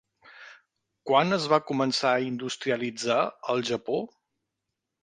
Quan es va començar a industrialitzar el Japó?